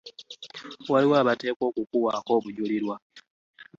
Waliwo abateekwa okukukuwaako obujulirwa.